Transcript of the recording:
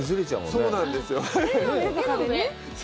そうなんですよ。